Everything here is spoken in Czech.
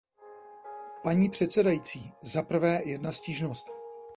Paní předsedající, zaprvé jedna stížnost.